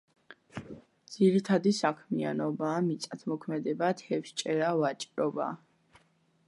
ძირითადი საქმიანობაა მიწათმოქმედება, თევზჭერა, ვაჭრობა.